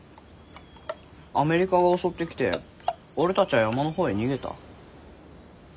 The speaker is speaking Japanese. アメリカが襲ってきて俺たちは山のほうへ逃げた。